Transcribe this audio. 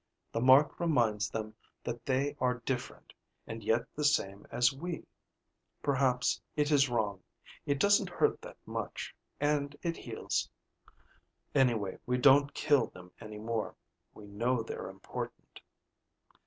The mark reminds them that they are different, and yet the same as we. Perhaps it is wrong. It doesn't hurt that much, and it heals. Anyway, we don't kill them any more. We know they're important...."